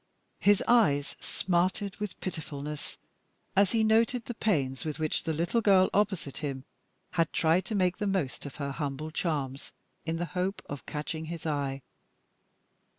His eyes smarted with pitifulness as he noted the pains with which the little girl opposite him had tried to make the most of her humble charms in the hope of catching his eye.